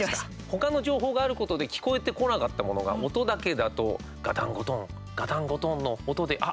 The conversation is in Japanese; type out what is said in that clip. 他の情報があることで聞こえてこなかったものが音だけだとガタンゴトン、ガタンゴトンの音で、あ！